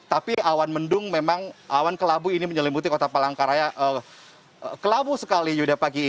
tapi awan mendung memang awan kelabu ini menyelimuti kota palangkaraya kelabu sekali yuda pagi